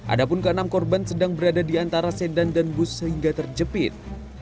ada pun ke enam korban sedang berada di antara sedan dan bus sehingga terjepit